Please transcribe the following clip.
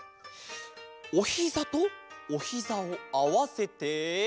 おひざとおひざをあわせて。